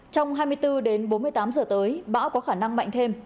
trong hai mươi bốn đến bốn mươi tám giờ tới bão có khả năng mạnh thêm